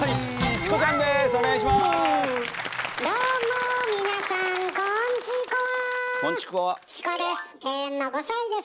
チコです